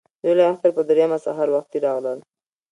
د لوی اختر په درېیمه سهار وختي راغلل.